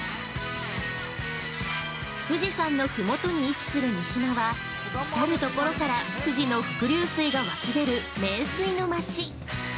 富士山のふもとに位置する三島は、至るところから富士の伏流水が湧き出る名水のまち。